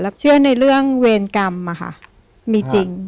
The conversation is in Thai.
เชื่อในเรื่องเวรกรรมอะค่ะมีจริง